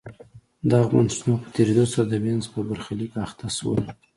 دغه بنسټونه د وخت په تېرېدو سره د وینز په برخلیک اخته شول